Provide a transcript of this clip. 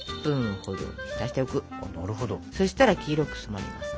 そしたら黄色く染まります。